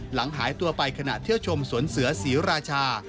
หายตัวไปขณะเที่ยวชมสวนเสือศรีราชา